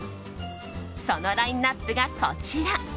そのラインアップがこちら。